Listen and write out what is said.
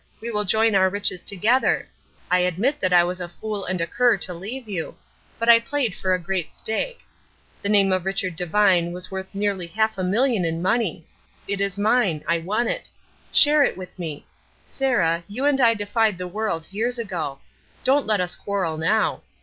We will join our riches together. I admit that I was a fool and a cur to leave you; but I played for a great stake. The name of Richard Devine was worth nearly half a million in money. It is mine. I won it. Share it with me! Sarah, you and I defied the world years ago. Don't let us quarrel now.